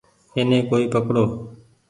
ايني ڪوئي پڪڙو ۔